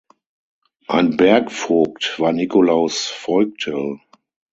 Ein Bergvogt war Nicolaus Voigtel.